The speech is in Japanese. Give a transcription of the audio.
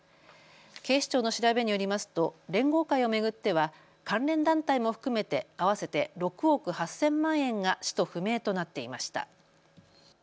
警視庁の調べによりますと連合会を巡っては関連団体も含めて合わせて６億８０００万円が使途不明となっていました。